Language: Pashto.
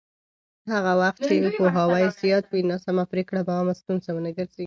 هغه وخت چې پوهاوی زیات وي، ناسمه پرېکړه به عامه ستونزه ونه ګرځي.